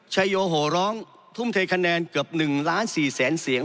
ชายโยโหร้องทุ่มเทคะแนนเกือบ๑ล้าน๔แสนเสียง